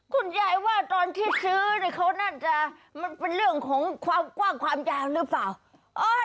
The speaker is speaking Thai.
คุณยายว่าตอนที่ซื้อเนี่ยเขาน่าจะมันเป็นเรื่องของความกว้างความยาวหรือเปล่า